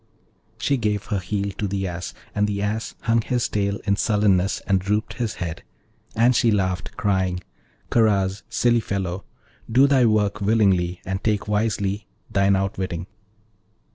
She gave her heel to the Ass, and the Ass hung his tail in sullenness and drooped his head; and she laughed, crying, 'Karaz, silly fellow! do thy work willingly, and take wisely thine outwitting.'